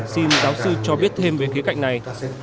xin giáo sư cho biết thêm về khía cạnh này